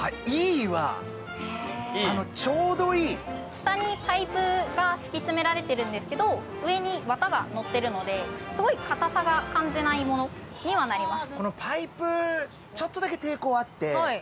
下にパイプが敷き詰められてるんですけど上に綿がのってるので、すごい硬さが感じないものにはなります。